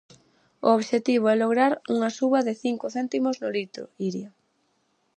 O obxectivo é lograr unha suba de cinco céntimos no litro, Iria.